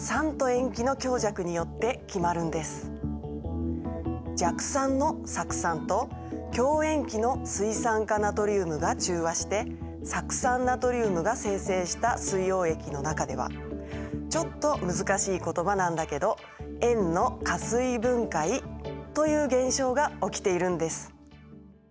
福君の言うとおり弱酸の酢酸と強塩基の水酸化ナトリウムが中和して酢酸ナトリウムが生成した水溶液の中ではちょっと難しい言葉なんだけど塩の加水分解という現象が起きているんです。